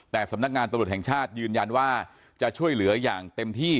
แต่สำนักงานตำรวจแห่งชาติยืนยันว่าจะช่วยเหลืออย่างเต็มที่